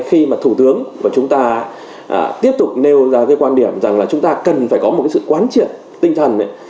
khi mà thủ tướng của chúng ta tiếp tục nêu ra cái quan điểm rằng là chúng ta cần phải có một cái sự quán triển tinh thần ấy